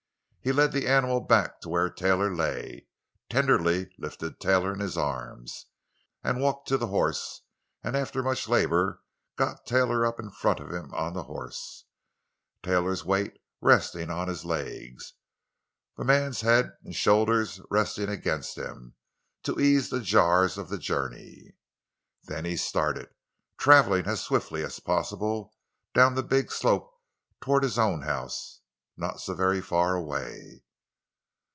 He led the animal back to where Taylor lay, tenderly lifted Taylor in his arms, walked to the horse, and after much labor got Taylor up in front of him on the horse, Taylor's weight resting on his legs, the man's head and shoulders resting against him, to ease the jars of the journey. Then he started, traveling as swiftly as possible down the big slope toward his own house, not so very far away.